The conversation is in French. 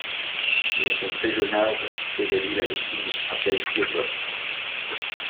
Mais son très jeune âge fait de lui la victime du stratège Diodote.